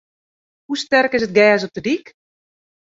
Hoe sterk is it gers op de dyk?